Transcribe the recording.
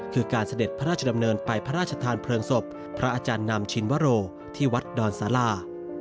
คือการเสด็จพระราชดำเนินไปพระราชทานเพลิงศพพระอาจารย์นำชินวโรที่วัดดอนศาลา